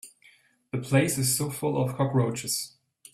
The place is so full of cockroaches.